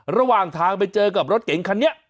ระหว่างทางไปเจอกับรถเก๋งคันนี้